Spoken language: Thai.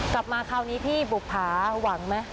กลับมาคราวนี้พี่บุภาหวังไหม